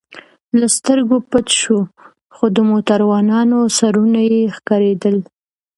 له سترګو پټ شو، خو د موټروانانو سرونه یې ښکارېدل.